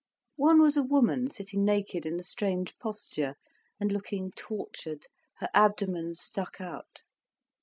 One was a woman sitting naked in a strange posture, and looking tortured, her abdomen stuck out.